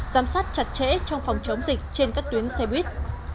giám sát chặt chẽ trong phòng chống dịch trên các tuyến xe buýt